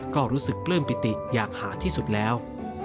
ก็รู้สึกปลื้มปิติอย่างหาที่สุดแล้ว